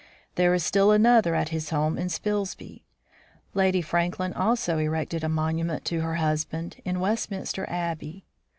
There is still another at his home in Spilsby. Lady Franklin also erected a monument to her husband in Westminster Abbey.